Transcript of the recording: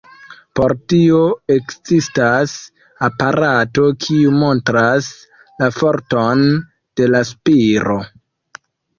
Por tio ekzistas aparato, kiu montras la forton de la spiro.